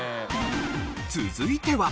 続いては。